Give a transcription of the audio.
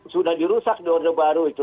sudah dirusak di orde baru itu